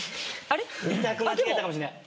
２択間違えたかもしんない。